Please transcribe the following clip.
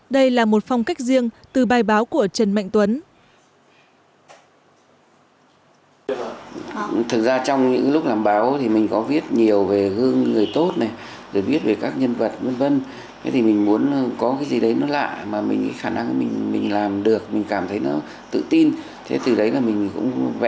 đây là một phong cách riêng từ bài báo của trần mạnh tuấn